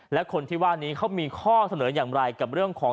และคนที่ว่านี้เขามีข้อเสนออย่างไรกับเรื่องของ